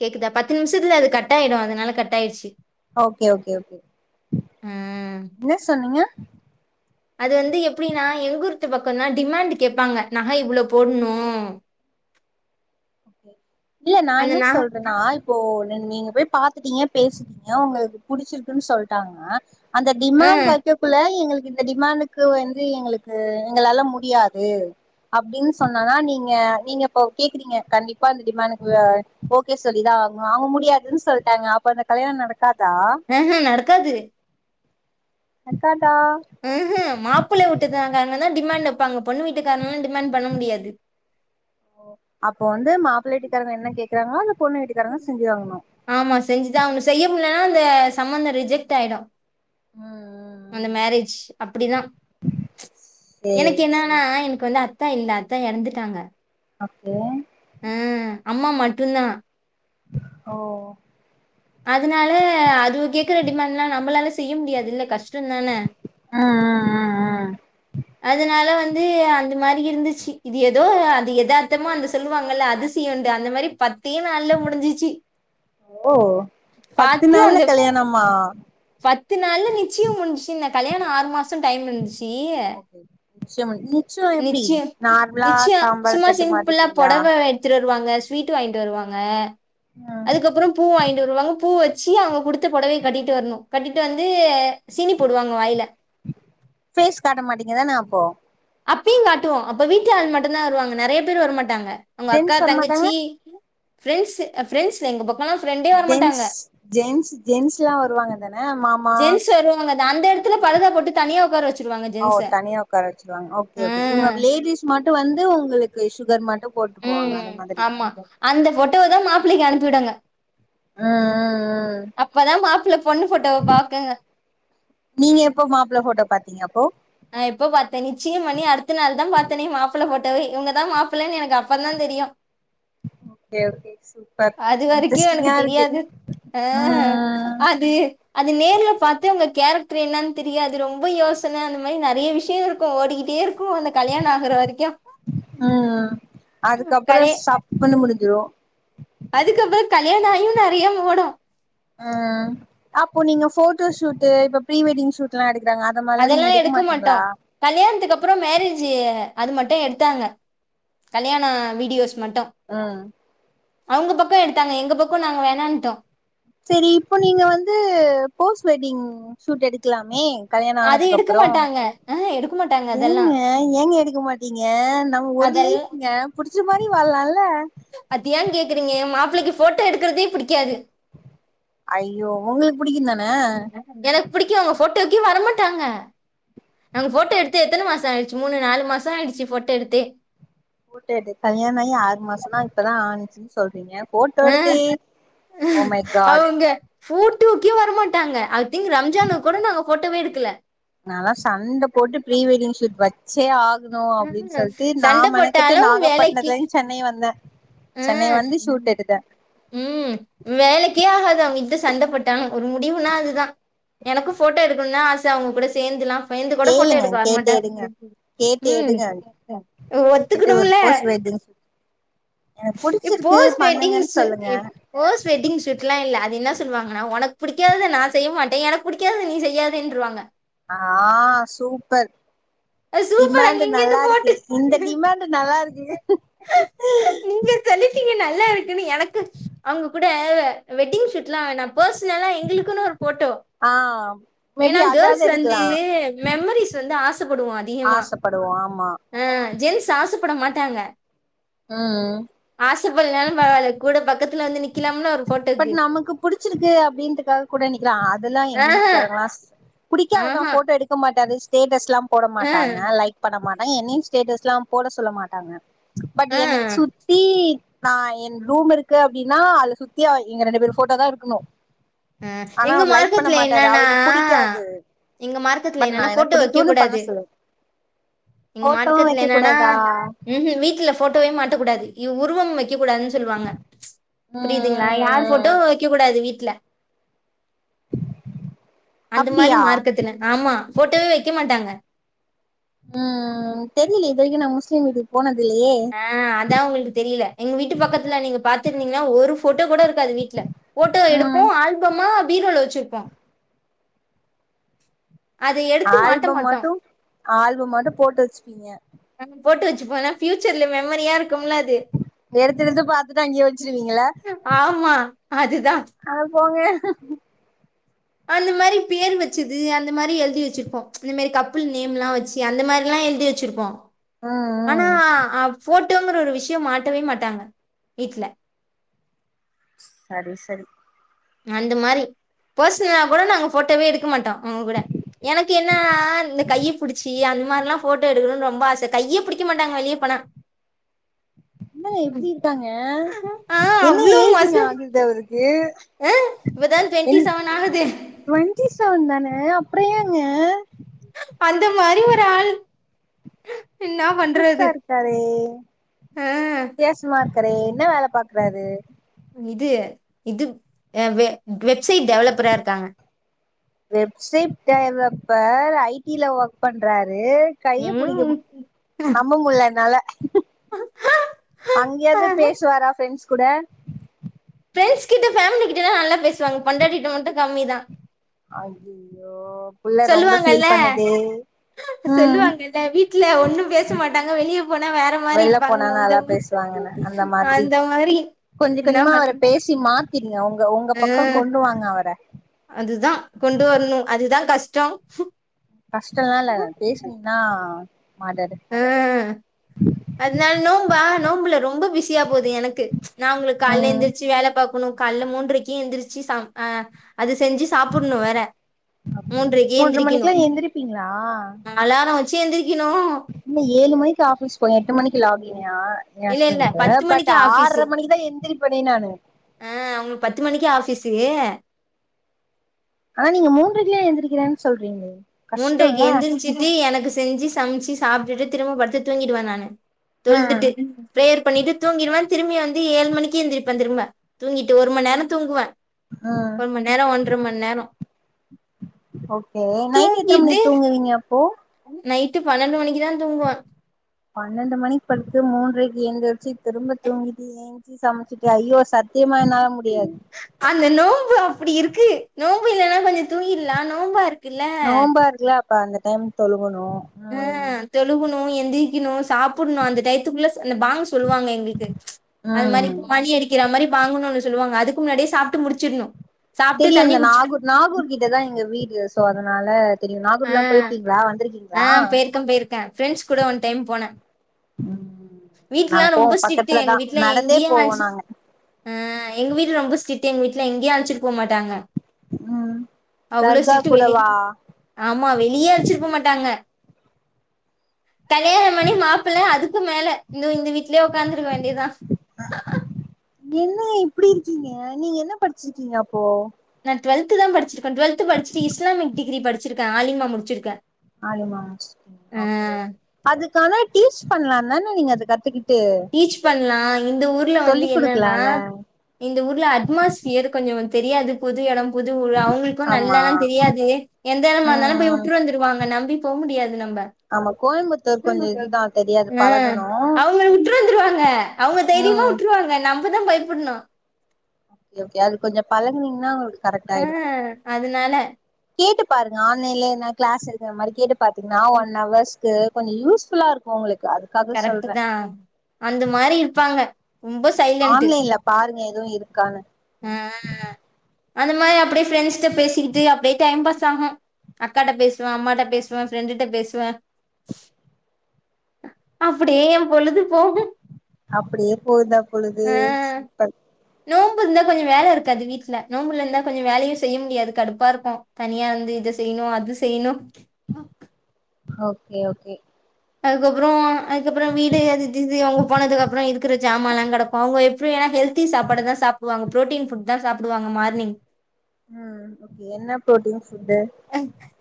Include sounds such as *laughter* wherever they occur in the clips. கேக்குதா பத்து நிம்சத்துல அது கட்டாய்டு அதனால கட்டாய்ட்ச்சு ஓகே ஓகே ஓகே ஆ இன்ன சொன்னீங்க அது வந்து எப்டினா எங்கூர்து பக்கொன்னா டிமாண்டு கேப்பாங்க நக இவ்ளோ போட்னோ ஓகே இல்ல நா அந்த என்ன ந சொல்றனா இப்போ நீங்க போய் பாத்துட்டீங்க பேசிட்டீங்க உங்களுக்கு புடிச்சிருக்குன் சொல்ட்டாங்க அந்த ஆ டிமாண் வைக்கக்குள்ள எங்களுக் இந்த டிமாண்டுக்கு வந்து எங்களுக்கு எங்களாலா முடியாது அப்டின் சொன்னனா நீங்க நீங்க இப்போ கேக்குறீங்க கண்டிப் பா அந்த டிமாண்டுக்கு அ ஓகே சொல்லிதா ஆக்ணு அவ முடியாதுன் சொல்ட்டாங்க அப்ப அந்த கல்யாண நட அ அ நடக்காது *unintelligible* ம் ம் மாப்புள்ள வூட்டுகாங்கன்கன்னா டிமாண்ட் வெப்பாங்க பொண்ணு வீட்டுக்காரன்ல்லா டிமாண் பண்ண முடியாது புள்ள வீட்டுக்காறங்க என்ன கேக்குறாங்ளோ அத *inaudible* ஆமா செஞ்சுதா அவனு செய்ய முல்லனா அந்த சம்மந்த ரிஜெக்ட் ஆய்டோ ம் ம் அந்த ம் மேரேஜ் அப்பிடிதா எனக்கு சேரி சேரி என்னன்னா எனக்கு வந்து அ த்த இல்ல அத்த எறந்துட்டாங்க ஓகே அ அம்மா மட்டுந்தா ஓ அதனால அதுவு கேக்க ரெடி பண்லா நம்பளால செய்ய முடியாது இல்ல கஷ் டோந்தான ம் ம் ம் ம் அதனால வந் து அந்த மாரி இருந்துச்சி இது எதோ அது எதார்த்தமோ அந்த சொல்வாங்கல்ல அதிசிய உண்டு அந்த மாரி பத் தே நாள்ல முடிஞ்சீச்சி ஓ பத்து நாள்ல அந்த கல்யாணமா பத்து நாள்ல நிச்சியோ முஞ்சிச்சி கல்யாணோ ஆறு மாசோ டைம் இருந்துச் ஓகே நிச்சயம் நிச்சயம் எப்டி நிச்சியோ நார்மலா நிச்சியோ தாம்பாள சும்மா தட்டு சிம்பில்லா மாட்டிப்பீங்களா பொட வ எட்த்துட் வருவாங்க ஸ்வீட்டு வாய்ன்ட்டு வருவாங்க ம் அதுக்கப்புறோ பூ வாங்கின் பூ வெச்சி அவுங்க குடுத்த பொடவை கட்டிட்டு வர்ணு கட்டிட்டு வந்து சீனி போடுவாங்க வாயில பேஸ் காட்ட மாட்டீங்கதான அப்போ அப்பியு காட்டுவோ அப்போ வீட்டு ஆள் மட்டுந்தா வருவாங்க நெறைய பேரு வரமாட்டாங்க உங்க அக்கா ஜென்ஸ் வரமாட்டாங்க தங்கச்சி ஃப்ரெண்ஸு அ ஃப்ரெண்ஸ் எங்க பக் அப்பலா ஃப்ரெண்டே வர மாட்டாங்க ஜென்ஸ் ஜென்ஸ் ஜென்ஸ்லா வருவாங்க தான மாமா ஜென்ஸ் வருவாங்க அந்த அந்தெடத் துல பரதா போட்டு தனியா உக்கார வெச் ஓ தனியா உக்கார வெச்சிருவாங் ஓகே ஓகே இவுங்க அப் லேடிஸ் மட்டு வந்து உங்குளுக்கு சுகர் மட் டு போட்டு போவாங்க அது மாதிரி டுந்தா மாப்ளைக்கு அனுப்பி விடாங்க அ அ அ அ மாப்பிள்ளை பொண்ணு போட்டோவை பாக்குங்க நீங்க எப்போ மாப்ள்ள போட்டோ பாத் நீ அப்போ நா எப்போ பா்த்தே நிச்சயம் பண்ணி அடுத்த நாள் தா பாத்தே நெ மாப்பிள போட்டவே இவங்கதா மாப்பிள எனக்கு அப்ப தா தெரியு ஓகே ஓகே சூப்பர் அது வரைக்கு எனக்கு இன்ட்ரெஸ்டிங்கா இருக்கு தெரியாது ஆ ம் அது அது நேரல பார்த்த உங்க கேரக்டர் என்னனு தெரியா அது ரொம்ப யோசன அந்த மாரி நிறைய விஷய இருக்கு ஓடிக்கிட்டே இருக்கு அந்த கல்யாணோ ஆகுற வரைக்கு உம் அதுக்கப்புற கலே சாப்பண்ணு முடிஞ் யோ கல்யாண ஆகியு நிறைய ஓடு ஆ அப்போ நீங்க போட்டோஷூட் இப்ப ப்ரீ வெட்டிங் ஷூட் எல்லா எ அதெல்லா எடுக்க மாட்டோ கல்யாணத்துக்கு அப்புறம் மேரேஜ் அது மட்டு எடுத்தாங்க கல்யாண வீடியோஸ் மட்டு ம் அவங்க பக்கம் எடுத்தாங்க எங்க பக்கம் நாங்க வேணான்னுட்டோ சரி இப்போ நீங்க வந்து போஸ்ட் வெட்டிங் ஷூட் எடுக்கலாமே கல்யாண அது ஆனதுக்கு எடுக்க அப்புறம்ங்கங்க மாட்டாங்க ஆ எடுக்க மாட்டாங்க அதெல்லா எங்க எங்க எடு மாட்டீங்க நம்ம ஒரு அதெல் லைஃப்ங்க புடிச்ச மாதிரி வாழ்லா அது ஏ கேக்குறீங்க மாப்பிளைைக்கு போட்டோ எடுக்கறதே பிடிக்காது ஐயோ உங்களுக்கு புடிக்கு தான எனக்கு பிடிக்கு உங்க போட் டோக்கே வரமாட்டாங்க நாங்க போட்டோ எடுத்து எத்தன மாச ஆயிடுச்சு மூணு நாலு மாசம் ஆயிடுச்சு போட்டோ எடுத்தே போடோ எடு கல்யாண ஆகி ஆறு மாசம் தா இப்பதா ஆணிச்சுன்னு சொல்றீங்க போட்டோ அ எடுத்தே ஓ மை காட் அவங்க ஊட்டு கே வர மாட்டாங்க அது திங்க் ரம்ஜான் கூட நாங்க போட்டோவே எடுக்கல நா எல்லா சண்ட போட்டு ப்ரீ வெட்டிங் ஷூட் வச்சே ஆ ணு அப்டின்னு ம் சொல்லிட்டு நா சண்ட மெனக்கெட்டு போட்டாலு நாகப்பட்டினத்துலிருந்து சென்னை வந்த ஆ உம் வேலைக்கே ஆகாது அவங்க இத் சண்டப்போட்டாங்க ஒரு முடிவுனா அதுதா எனக்கு ஃபோட்டோ எடுக்கணும்னா ஆச அவங்க கூட சேந்தெலா பயந்து கூட ஃபோட்டோ கேளுங்க எடுக்க கேட்டு வரமாட்ட எடுங்க கேட்டு உம் எடுங்க கேட்டு ஒரு ஒத்துக்கணுமில்ல போஸ்ட் வெட்டிங் ஷூட் எனக்கு எ புடிச்சிருக்கு போஸ்ட் வெட்டிங் பண்ணுங்கன்னு சூ சொல்லுங்க எ போஸ்ட் வெட்டிங் சூட்ல்லா இல்ல அது என்ன சொல்லுவாங்கன்னா உனக்கு பிடிக்காதது நா செய்ய மாட்டே எனக்கு பிடிக்காதது நீ செய்யாதன்றவாங்க ஆ சூப்பர் அது சூப்பர் அங்க டிமாண்டு் இங்கேந்து நல்லா போட்டு இருக்கே இந்த டிமாண்டு நல்லா இருக்கு நீங்க சொல்லீட்டீங்க நல்லா இருக்குன்னு எனக்கு அவங்க கூட அவ வெட்டிங் ஷூட் எல்லா வேணா பர்சனல்லா எங்களுக்குன்னு ஒரு ஃபோட்டோ ஆ மேபி ஏன்னா அதாவது கேர்ள்ஸ் வந்து எடுக்கலா மெமரிஸ் வந்து ஆச ப்படுவோ அதிகமா ஆசப்படுவோ ஆமா ஆ ஜென்ஸ் ஆசப்பட மாட்டாங்க ம் *unintelligible* பரவால கூட பக்கத்துல வந்து நி பட் நமக்கு புடிச்சிருக்கு அப்டின்றதுக்காக கூட நிக்கலா அதெல்லா எங்க ஆஹா வீட்டுக்காரங்களா புடிக்கதுதா ஆஹா ஃபோட்டோ எடுக்க மாட்டாரு ஸ்டேட்டஸ் எல்லா போட ஆ மாட்டாங்க லைக் பண்ண மாட்டாங்க என்னையு ஸ்டேட்டஸ் எல்லா போட சொல்ல மாட்டாங்க பட் ஆ என் சுத்தி நா எ ரூம் இருக்கு அப்டின்னா அதல சுத் தியா எங்க ரெண்டு பேர் ஃபோட்டோ தா இருக்கணு அ ஆனா எங்க அவர் லைக் பண்ண மார்க்கத்துல மாட்டாரு என்னன்னா அவருக்கு புடிக்காது எங்க மார்க்கதுல பட் நா என்னன்னா எனக்கு ஃபோட்டோ வெக்க புடிக்கும்னு பண்ண கூடாது சொல்லுவ எங்க போட்டோவு மாட்டுக்கத்துல வைக்க என்னன்னா கூடாதா உம் ம் வீட்டுல ஃபோட்டோவே மாட்டக் கூடாது உருவம் வெக்க கூடாதுன்னு சொல்லுவாங்க ம் ம் புரியுதுங்களா யார் ம் போட்டோவு வெக்க கூடாது வீட்டுல அந்த மாரி அப்டியா மார்க்கத்துல ஆமா ஃபோட்டோவே வெய்க்க மாட்டாங்க ம் தெரியலலே இது வரைக்கு நா முஸ்லீம் வீட்டுக்கு போனது இல்லையே ஆ அதா ஒங்ளுக்கு தெரியல எங்க வீட்டு பக்கத்துல நீங்க பாத்துருந்தீங்கன்னா ஒரு ஃபோட்டோ கூட இருக்காது வீட்ல ஃபோட்டோ ம் எடுப்போ ஆல்பமா பீரோல வெச்சிருப்போ எடுத்து மாட்ட ஆல்பம் மாட்டோ மட்டு ஆல்பம் மட்டு போட்டு வச்சுப்பீங்க ஃபோட்டு வெச்சுபோ எல்லா ஃப்யூச்சர்ல மெமரியா இருக்கும்ல அது எடுத்தெடுத்து பாத்துட்டு அங்கயே வச்சிருவீங்ள ஆமா அதுதா போங்க அந்த மாரி பேர் வச்சது அந்த மாரி எழுதி வச்சிர்ப்போ இந்த மாரி கப்பில் நேம்லா வச்சி அந்த மாரிலா எழுதி வச்சிர்ப்போ ம் ஆனா ம் அ போட் டோங்கற ஒரு விஷயம் மாட்டவே மாட்டாங்க வீட்ல சரி சரி அந்த மாரி பர்சனலா கூட நாங்க ஃபோட்டோவே எடுக்க மாட்டோ அவங்க கூட எனக்கு ஏனா இந்த கைய புடிச்சி அந்த மாரிலா ஃபோட்டோ எடுக்கணுனு ரொம்ப ஆச கையே புடிக்க மாட்டாங்க வெளிய போனா என்னங்க இப்டி இருக்காங்க ஆ என்ன அவ்ளோ மோச ஏஜிங்க ஆகுது அவுரு க்கு ஆ இப்பதா ஏ டுவெண்ட்டி ன் செவன் ஆகுது டுவென்டி செவன் தானே அப்றோ ஏங்க அந்த மாரி ஒரு ஆள் என்னா புதுசா பண்றது இருக்காரே ஆ வித்தியாசமா இருக்காரு என்னா வேல பாக்குறாரு இது இது அ வே வெப்சைட் டெவ்லப்பரா இருக்காங்க இப்ப ஐ டி ல ஒர்க் பண்றாரு கைய புடிக்க ம் நம்ப முடில என்னால அங்கயாது பேசுவாரா ஃப்ரெண்ட்ஸ் குட பிரெண்ட்ஸ் கிட்ட ஃபேமிலிகிட்டலா நல்லா பேசுவாங்க பொண்டாட்டிட்ட மட்டு கம்மி தா அய்யயோ சொல்லுவாங்கல ம் சொல்லுவாங்கல வீட்ல ஒன்னு பேச மாட்டாங்க வெளிய போனா வேற மாரி வெளில போனா இருப்பாங்கள அந்த நல்லா பேசுவாங்கன்னு அந்த மாதிரி அந்த மாரி கொஞ்ச கொஞ்சமா அவர பேசி மாத் அஹ் அதுதா கொண்டு வரனு அதுதா கஷ்டோ கஷ்டோலா இல்ல பேஸ்னீங்னா மாறாது ஆ அதனால நோம்பா நோம்புல ரொம்ப பிஸியா போது எனக்கு நா ஒங்ளுக்கு கால்ல ம் எந்துர்ச்சு வேல பாக் னு கால்ல மூன்றைக்கு எந்திரிச்சி சம் அ அது செஞ்சி சாப்புனு வேற மூன்றைக்கே மூன்ற எந்திரிக்கனு மணிக்குலா எந்திரிப்பீங்களா அலாரோ வச்சி எந்திரிக்கனு அப்டினா ஏ ஹஸ்பண்டு பட் ஆர்ற ஆஃபீஸு மணிக்குதா எந்திரிப்பனே நானு ஆ அவங்களுக்கு பத்து மணிக்கே ஆபிஸு ஆனா நீங்க மூன்றைக்குலா எந்திரிக்கிறேன்னு சொல்றீங்ளே மூன்றைக்கு எந்திரிச்சிட்டு எனக்கு செஞ்சி சமச்சி சாப்டுட்டு திரும்பப்படுத்து தூங்கிடுவே நானு ம் தொல்துட்டு பிரேயர் பண்ணிட்டு தூங்கிடுவே திரும்பி வந்து ஏழு மணிக்கு எந்திரிப்பே திரும்ப தூங்கிட்டு ஒரு மண் நேரோ தூங்குவே ம் ஒரு மண் நேரோ ஒன்ற மண் நேரோ ஓகே நைட் எத்தன தூங்கிட்டு மணிக்கு தூங்குவீங்க அப்போ நைட்டு பன்னெண்டு மணிக்கு தா தூங்குவோ பன்னெண்டு மணி படுத்து மூன்றைக்கு எந்துருச்சி திரும்ப தூங்கிட்டு ஏஞ்சி சமச்சிட்டு ஐயோ சத் அந்த நோம்பு அப்டி இருக்கு நோம் பு இல்லன்னா கொஞ்சோ தூங்கிர்லா நோம்பா இருக் நோம்பா இருக்குல அப்ப அந்த டைம் தொழுகனு ஹ தொழுகுனு எந்திரிக்குனு சாப்பிடணும் அந்த டயத்துக்குள்ள அந்த பாங்க் சொல்லுவாங்க எங்களுக்கு அது மாதிரி ம் மணி அடிக்கிற மாதிரி பாங்குணும்னு சொல்லுவாங்க அதுக்கு முன்னாடியே சாப்பிட்டு முடிச்சிடணும் தெரியும் இந்த நாகூர் நாகூர் கிட்டதான் எங்க வீடு சோ அதனால தெரியும் நாகூர் ஆ எல்லாம் போயிருக்கீங்களா வந்திருக்கீங்களா ஆ போயிருக்கே போயிருக்கே ஃப்ரெண்ட்ஸ் ம் நாங்க வீட்லயெலாம் போவோ ரொம்ப ஸ்ட்ரிக்ட் எங்க பக்கத்துலதா வீட்டுல நடந்தே எங்கேயும் போவோ ஆச்சு நாங்க ஆஹ் எங்க வீட்டுல ரொம்ப ஸ்டரிக்ட் எங்க வீட்ல எங்கயும் அழச்சிட்டு போக மாட்டாங்க ம் அவ்வளோ தர்கா ஸ்ட்ரிக்டு வெளிய கூடவா ஆமா வெளியே வெச்சுக்க மாட்டாங்க கல்யாணம் பண்ணி மாப்பிள்ள அதுக்கு மேல இன்னும் இந்த வீட்லயே உக்காந்துருக்க வேண்டியதான் என்ன இப்படி இருக்கீங்க நீங்க என்ன படிச்சிருக்கீங்க அப்போ நா டுவெல்த் தான் படிச்சிருக்கேன் டுவெல்த் படிச்சிட்டு இஸ்லாமிக் டிகிரி படிச்சிருக்கேன் ஆலிமா முடிச்சிருக்கேன் ஆலிமா முடிச்சிருக்கீங்களா ஓகே அதுக்கு ஆனா டீச் பன்லாம் தான அதக் கத்து டீச் பண்ணலாம் இந்த ஊர்ல வந்து சொல்லி் என்னன்னா குடுக்கலால இந்த ஊர்ல அட்மாஸ்பியர் கொஞ்சம் தெரியாது புது இடம் புது ஊர்ல ஆமா அவுங்களுக்கும்நல்லா தெரியாது எந்த இடமா ம் இருந்தாலும் போய் ம் விட்டு வந்துருவாங்க நம்பி போக முடியாது நம்ம ஆமா கோயம்புத்தூர் கொஞ்சோ இதுதா தெரியாது ஹ பழகணு அவங்கள விட்டு வந்துருவாங்க அவங்க தைரியமா ம் விட்டுருவாங்க நம்மதான் பயப்படணும் எப்படியாவது கொஞ்சம் பழகுனீங்கன்னா கரெக்ட் ஆயிடு ஆஹ் அதனால கேட்டு பாருங்க ஆன்லைன்ல என்ன கிளாஸ் இருக்கிற மாதிரி கேட்டு பாத்தீங்கன்னா ஒன் ஹவர்ஸ் கொஞ்சம் யூஸ்ஃபுல்லா இருக்கும் உங்களுக்கு அதுக்காக கரெக்ட் சொல்றே தான் அந்த மாதிரி இருப்பாங்க ரொம்ப சைலன்ட் ஆன்லைன்ல பாருங்க எதுவு இருக்கான்னு ஆஹ் அந்த மாதிரி அப்படியே ஃப்ரண்ட்ஸிட்ட பேசிக்கிட்டு அப்படியே டைம் பாஸ் ஆகும் அக்காட்ட பேசுவேன் அம்மாட்ட பேசுவேன் ஃப்ரெண்டுட்ட பேசுவேன் அப்டியே என் பொழுது போகும் அப்டியே போவுதா பொழுது ஆ நோம்பு இருந்தா கொஞ்ச வேல இருக்காது வீட்டுல நோன்ம்புல இருந்தா கொஞ்ச வேலையும் செய்ய முடியாது கடுப்பா இருக்கும் தனியா இருந்து இது இது செய்ணு அது செய்ணு ஓகே ஓகே அதுக்கப்பறோம் அதுக்கப்பறோ வீடு அவங்க போனதுக்கு அப்புறம் இருக்கிற சாமான்லெலா கடக்கு அவங்க எப்டி ஏன்னா ஹெல்தி சாப்பாடு தான் சாப்பிடுவாங்க பரோட்டின் ஃபுட் தான் சாப்டுவாங்க மார்னிங் ம் ஓகே என்ன ஃபுட்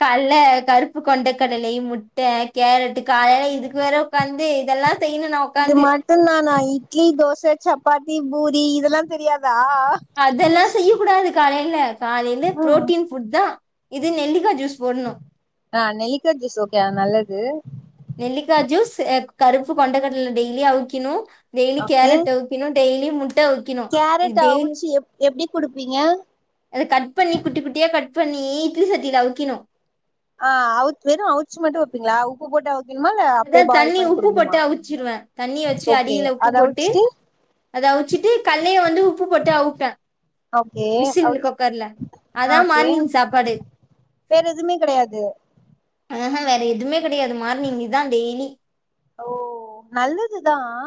கால்ல கருப்பு கொண்டைக்கடலை முட்டை கேரட் இது காலையில இதுக்கு வேற உக்காந்து இதெல்லாம் செய்யணு நான் இது உக்காந்து மட்டுந்தானா தோச சப்பாத்தி இட்லி பூரி இதெல்லா தெரியாது அதெல்லாம் செய்ய கூடாது காலையில காலையில ம் புரோட்டீன் ஃபுட் தான் இது நெல்லிக்கா ஜூஸ் போடணு ஆ நெல்லிக்கா ஜூஸ் ஓகே நல்லது நெல்லிக்கா ஜூஸ் கருப்பு கொண்ட கடல டெய்லி அவிக்கணு டெய்லி ஓகே கேரட் அவிக்கணு டெய்லி முஜ் கேரட் அவுச்சு எப்டி குடுப்பீங்க அத கட் பண்ணி குட்டி குட்டியா கட் பண்ணி இட்லி சட்டில அவிக்கணு வெறும் அவுச்சு மட்டும் வெப்பீங்களா உப்பு போட்டு அவிக்கணுமா இல்ல அப்பயே அதான் பாயில் தண்ணி பண்ணி உப்பு குடுக்கணுமா போட்டு அவுச்சிருவேன் தண்ணி வெச்சு ஓகே அடியில உப்பு அத போட்டு அவுச்சுட்டு அத அவுச்சிட்டு கல்லைய வந்து உப்பு போட்டு அவுச்பே ஓகே விசில் அவுச் குக்கர்ல ஆ அதான் ஓகே மார்னிங் சாப்பாடு வேற எதுவுமே கிடையாது ஆ ஹா வேற எதுவுமே கிடையாது மார்னிங் இதான் டெய்லி ஓ நல்லதுதான்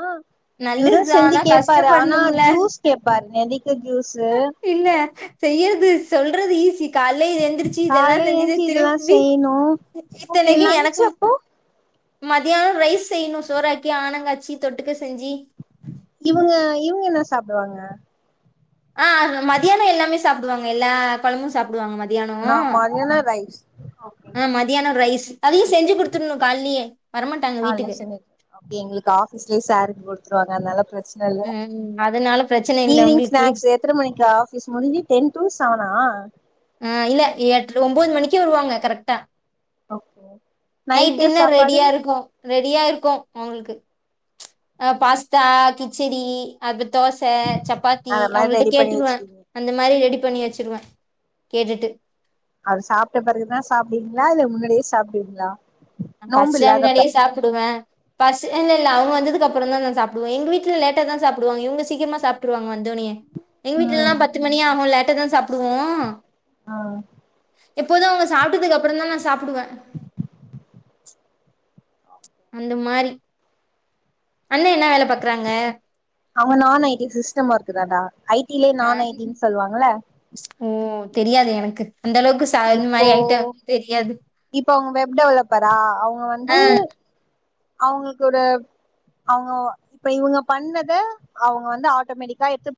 இவரு நல்லதுதா செஞ்சு ஆனா கேப்பாரு ஆனா கஷ்டப்படணும்ல ஜூஸ் கேப்பாரு நெல்லிக்க ஜூஸு இல்ல செய்யறது சொல்றது ஈஸி கால்லே இது எந்திரிச்சு இதெல்லா கால்ல செஞ்சுட்டு ஏஞ்சி இதெல்லா திருப்பி செய்யணு ஓகே இத்தனைக்கு லன்ச் எனக்கும் அப்போ மத்யான ரைஸ் செய்யணு சோறாக்கி ஆனங்காச்சி தொட்டுக்க செஞ்சு இவுங்க இவுங்க என்ன சாப்டுவாங்க ஆ மதியானோ எல்லாமே சாப்டுவாங்க எல்லா கொழம்பு சாப்டுவாங்க மத்யானோ நா மதியானோ ரைஸ் ஓகே அதையு செஞ்சு குடுத்துடணு காலலியே காலலயே செஞ்சு குடுக்கணு அப்டி எங்களுக்கு ஆபீஸ்லயே ஸாலட் குடுத்துருவாங்க அதனால பிரச் சன இல்ல ம் அதனால பிரச்சன இல்ல ஈவினிங் உங்களுக்கு ஸ்நாக்ஸ் எத்தன மணிக்கு ஆஃபிஸ் முடிஞ்சு டென் டு செவனா ஆ இல்ல எட்ர ஒம்போது மணிக்கு வருவாங்க கரெக்டா ஓகே நைட் நைட்டு டின்னர் சாப்பாடு ரெடியா இருக்கு ரெடியா இருக்கு அவுங்குளுக்கு பாஸ்தா கிச்சடி அது தோச சப்பாத்தி அந்த மாரி அவங்கள்ட்ட ரெடி பண்ணி கேட்ருவ வச்சுக்கீங்க அந்த மாரி ரெடி பண்ணி வச்சிருவ கேட்டுட்டு வேல முன்னாடியே சாப்டுவிங்ளா நா பசிச்சா இருந்தாலே சாப்பிடுவே பசு இல்லல்ல அவுங்க வந்ததுக்கப்பறந்தா நா சாப்டுவ எங்க வீட்ட லேட்டாதா சாப்டுவாங்க இவுங்க சீக்கிரமா சாப்ட்ருவாங்க வந்தோனயே எங் வீட்லல்லா பத்து மணி ஆகு லேட்டா தா சாப் ஆ எப்போது அவங்க சாப்ட்டதுக்கு அப்பறந்தா நா சாப்டுவே அந்த மாரி அண்ணா என்ன வேலை பாக்குறாங்க அவங்க நான் ஐ டி சிஸ்டம் ஒர்க் தான்டா ஐ டி லயே நான் ஐ டி னு சொல்வாங்கல்ல ஓ தெரியாது எனக்கு அந்த அளவுக்கு ச இது இப்போ மாரி என்ட்ட தெரியாது இப்ப அவங்க வெப் டெவலெப்பரா அவுங்க வந்து ஆ அவுங்க கூட அவங்க இப்ப இவுங்க பண்ணத அவங்க வந்து ஆட்டோமேட்டிக்கா எடுத்து